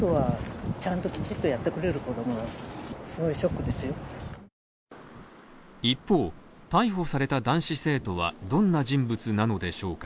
彼を知る人は一方、逮捕された男子生徒はどんな人物なのでしょうか？